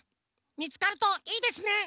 みつかるといいですね。